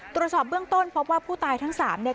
ตรวจสอบเบื้องต้นพบว่าผู้ตายทั้งสามเนี่ย